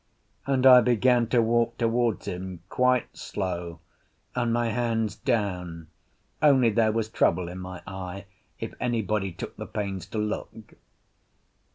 And I began to walk towards him, quite slow, and my hands down; only there was trouble in my eye, if anybody took the pains to look.